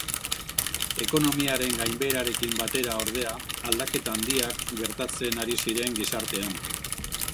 Ekonomiaren gainbeherarekin batera, ordea, aldaketa handiak gertatzen ari zien gizartean.